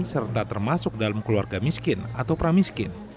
serta termasuk dalam keluarga miskin atau pramiskin